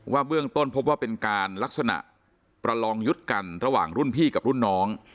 เบื้องต้นพบว่าเป็นการลักษณะประลองยุทธ์กันระหว่างรุ่นพี่กับรุ่นน้อง